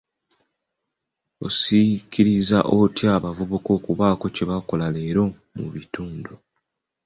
Osikiriza otya abavubuka okubaako kye bakola leero mu bitundu?